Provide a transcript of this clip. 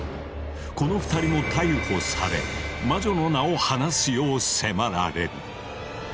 この２人も逮捕され魔女の名を話すよう迫られる。